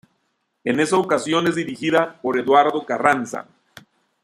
En esa ocasión es dirigida por Eduardo Carranza.